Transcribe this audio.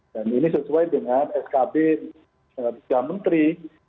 dan ini sesuai dengan skb pijak menteri